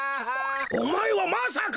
おまえはまさか！？